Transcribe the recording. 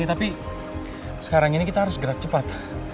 tapi sekarang ini kita harus gerak cepat